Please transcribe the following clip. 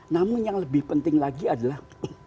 namun yang lebih penting lagi adalah